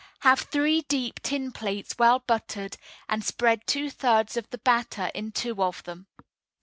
Have three deep tin plates well buttered, and spread two thirds of the batter in two of them.